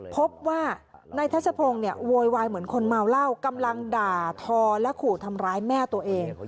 พบว่านายทัศพงศ์เนี่ยโวยวายเหมือนคนเมาเหล้ากำลังด่าทอและขู่ทำร้ายแม่ตัวเอง